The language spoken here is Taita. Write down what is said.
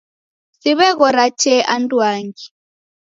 Siw'eghora tee anduangi.